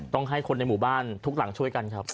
ต้องให้คนในหมู่บ้านทุกหลังช่วยกันครับ